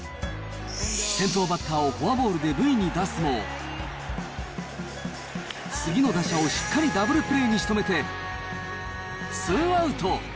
先頭バッターをフォアボールで塁に出すも、次の打者をしっかりダブルプレーにしとめて、ツーアウト。